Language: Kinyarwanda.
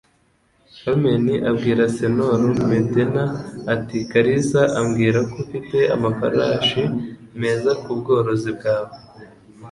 Carmen abwira Señor Medena ati: "Kalisa ambwira ko ufite amafarashi meza ku bworozi bwawe."